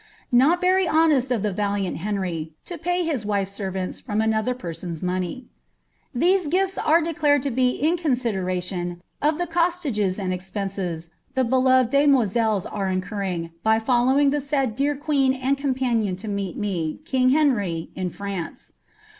Not very honest of the valiant Henry, to pay his wife's servants with another person's money. These gifUi are declared to be in consideration of the ^^ costages and ejcpenscs the beloved demoiselles are incurring, by following Uie said' drar queen and companion to meet me, king Henry, in France."